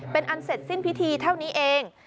เป็นอันเสร็จสิ้นพิธีเท่านี้เอง